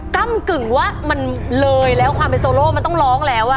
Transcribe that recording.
กำกึ่งว่ามันเลยแล้วความเป็นโซโล่มันต้องร้องแล้ว